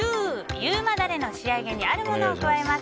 優馬ダレの仕上げにあるものを加えます。